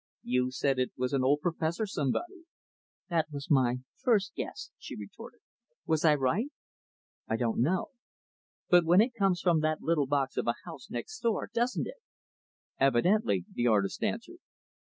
"You said it was an old professor somebody." "That was my first guess," she retorted. "Was I right?" "I don't know." "But it comes from that little box of a house, next door, doesn't it?" "Evidently," the artist answered.